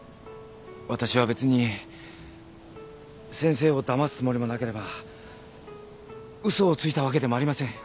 わたしは別に先生をだますつもりもなければ嘘をついたわけでもありません。